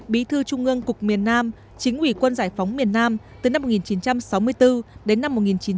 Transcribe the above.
bí thư trung ương cục miền nam chính ủy quân giải phóng miền nam từ năm một nghìn chín trăm sáu mươi bốn đến năm một nghìn chín trăm bảy mươi năm